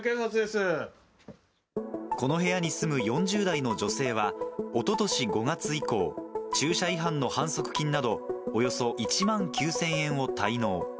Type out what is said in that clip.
この部屋に住む４０代の女性は、おととし５月以降、駐車違反の反則金などおよそ１万９０００円を滞納。